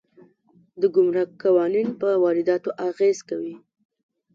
د ګمرک قوانین په وارداتو اغېز کوي.